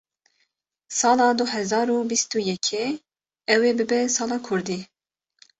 sala du hezar û bîst û yekê ew ê bibe sala kurdî.